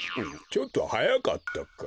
ちょっとはやかったか。